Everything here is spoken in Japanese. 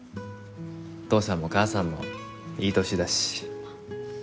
父さんも母さんもいい年だし。